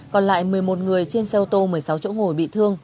còn lại một mươi một người trên xe ô tô một mươi sáu chỗ ngồi bị thương